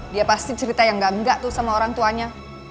dia pasti cerita yang gak tuh sama orang tuanya